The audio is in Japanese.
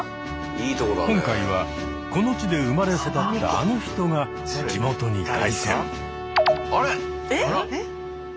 今回はこの地で生まれ育ったあの人が地元に凱旋。